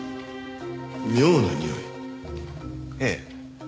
ええ。